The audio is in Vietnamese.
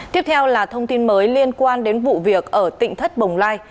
tiếp theo là thông tin mới liên quan đến vụ việc ở tỉnh thất bồng lai